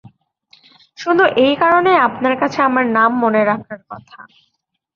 শুধু এই কারণেই আপনার কাছে আমার নাম মনে থাকার কথা।